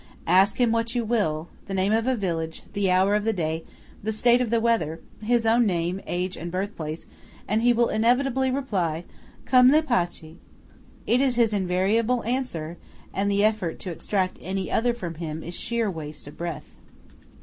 Ask him what you will–the name of a village, the hour of the day, the state of the weather, his own name, age and birthplace, and he will inevitably reply: "Come lei piace." It is his invariable answer, and the effort to extract any other from him is sheer waste of breath.